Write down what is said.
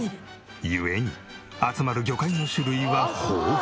ゆえに集まる魚介の種類は豊富。